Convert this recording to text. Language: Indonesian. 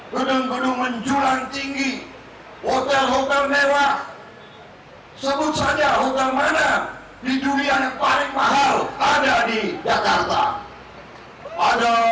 gedung gedung menjulang tinggi hotel hotel mewah sebut saja hotel mana di durian yang paling mahal ada di jakarta ada